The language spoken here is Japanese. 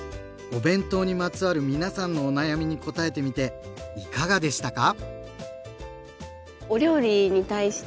お弁当にまつわる皆さんのお悩みにこたえてみていかがでしたか？